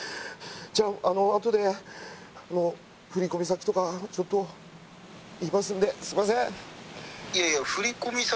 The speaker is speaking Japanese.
じゃああとで振込先とかちょっと言いますんですいません。